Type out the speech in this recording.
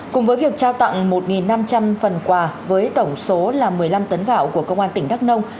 cùng với việc trao tặng một năm trăm linh phần quà với tổng số là một mươi năm tấn gạo của công an tỉnh đắk nông